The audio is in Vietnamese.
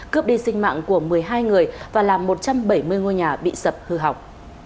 cướp đi sinh mạng của một mươi hai người và làm một trăm bảy mươi ngôi nhà bị sập hư hỏng